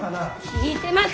聞いてます？